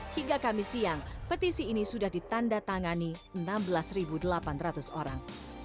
hingga kamis siang petisi ini sudah ditanda tangani enam belas delapan ratus orang